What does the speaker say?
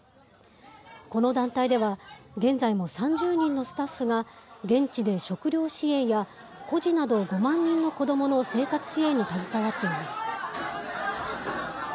この団体では、現在も３０人のスタッフが、現地で食料支援や孤児など５万人の子どもの生活支援に携わっています。